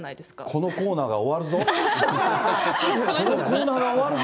このコーナーが終わるぞ。